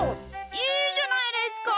いいじゃないですか。